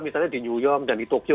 misalnya di new york dan di tokyo